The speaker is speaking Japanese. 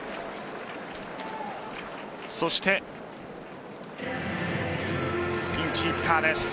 そしてピンチヒッターです。